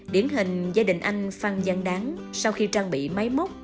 điển hình gia đình anh phan giang đáng sau khi trang bị máy móc